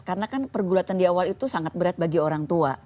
karena kan pergulatan di awal itu sangat berat bagi orang tua